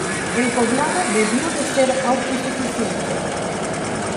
El poblado debió de ser autosuficiente.